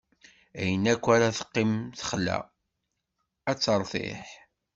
Ayen akk ara teqqim texla, ad teṛtiḥ.